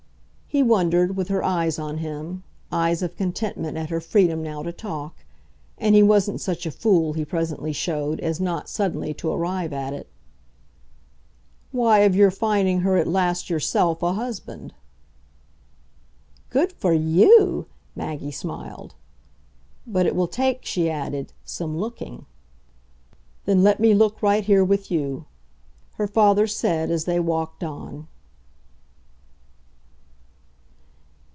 He wondered, with her eyes on him eyes of contentment at her freedom now to talk; and he wasn't such a fool, he presently showed, as not, suddenly, to arrive at it. "Why, of your finding her at last yourself a husband." "Good for YOU!" Maggie smiled. "But it will take," she added, "some looking." "Then let me look right here with you," her father said as they walked on.